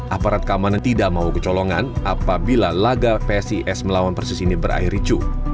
aparat keamanan tidak mau kecolongan apabila laga psis melawan persis ini berakhir ricu